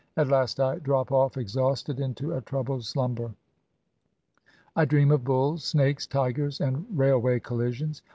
At last I drop off exhausted into a troubled slumber. I dream of bulls, snakes, tigers, and railway collisions.